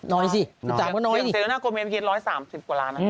น้อยสิ๑๓ก็น้อยนะหยุดซูธรอกวามเมชเกิน๑๓๐กว่าล้าน